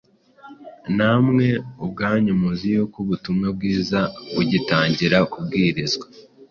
namwe ubwanyu muzi yuko ubutumwa bwiza bugitangira kubwirizwa,